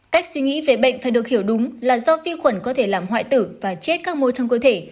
cách suy nghĩ về bệnh phải được hiểu đúng là do vi khuẩn có thể làm hoại tử và chết các môi trong cơ thể